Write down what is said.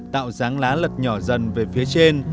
tạo dáng lá lật nhỏ dần về phía trên